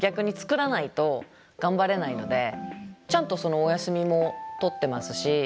ちゃんとお休みも取ってますし。